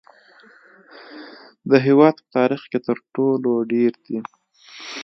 د هیواد په تاریخ کې تر ټولو ډیر دي